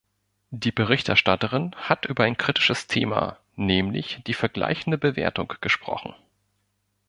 Die Berichterstatterin hat über ein kritisches Thema, nämlich die vergleichende Bewertung gesprochen.